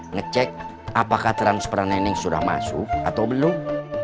ngecek apakah transperan neneng sudah masuk atau belum